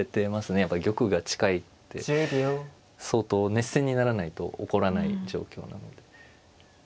やっぱ玉が近いって相当熱戦にならないと起こらない状況なので。